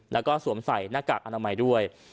แล้วก็สวมใส่หน้ากากอนามัยด้วย